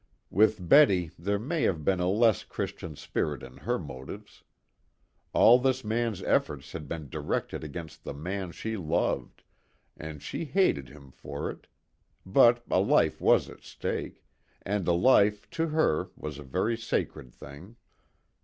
With Betty there may have been a less Christian spirit in her motives. All this man's efforts had been directed against the man she loved, and she hated him for it; but a life was at stake, and a life, to her, was a very sacred thing.